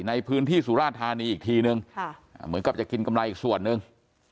ในพื้นที่สุราธานีอีกทีนึงเหมือนกับจะกินกำไรอีกส่วนหนึ่ง